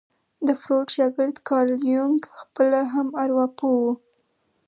د فروډ شاګرد کارل يونګ خپله هم ارواپوه وو.